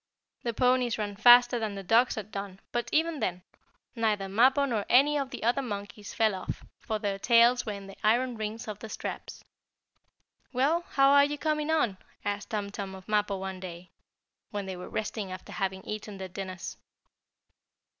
The ponies ran faster than the dogs had done, but, even then, neither Mappo nor any of the other monkeys fell off, for their tails were in the iron rings of the straps. "Well, how are you coming on?" asked Tum Tum of Mappo one day, when they were resting after having eaten their dinners.